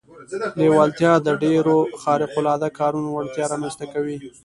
لېوالتیا د ډېرو خارق العاده کارونو وړتیا رامنځته کوي